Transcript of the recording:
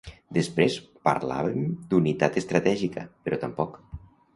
Després parlàvem d’unitat estratègica, però tampoc.